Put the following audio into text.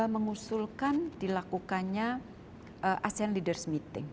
mengusulkan dilakukannya asean leaders meeting